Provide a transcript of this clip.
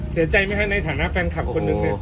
เสียใจไหมคะในฐานะแฟนคลับคนหนึ่งเนี่ย